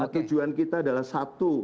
tujuan kita adalah satu